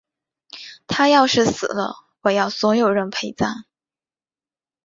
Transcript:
她要是死了，我要所有人陪葬！